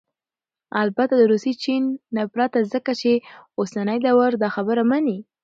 البته دروسي ، چين ... نه پرته ، ځكه چې اوسنى دور داخبره مني